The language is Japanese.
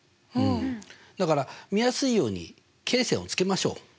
だから見やすいように罫線をつけましょう。